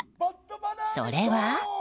それは。